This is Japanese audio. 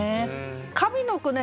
上の句ね